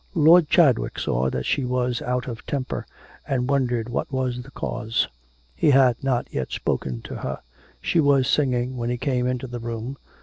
Lord Chadwick saw that she was out of temper, and wondered what was the cause. He had not yet spoken to her; she was singing when he came into the room.